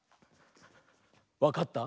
わかった？